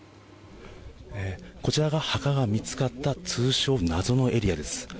こちらが墓が見つかった通称、謎のエリアです。